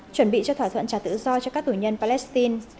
chuẩn bị cho thỏa thuận trả tự do cho các tù nhân palestine